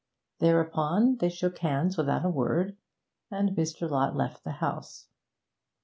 Thereupon they shook hands without a word, and Mr. Lott left the house.